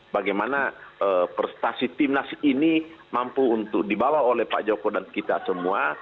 bagaimana prestasi timnas ini mampu untuk dibawa oleh pak joko dan kita semua